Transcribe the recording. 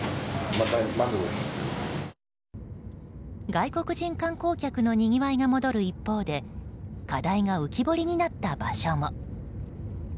外国人観光客のにぎわいが戻る一方で課題が浮き彫りになった場所も。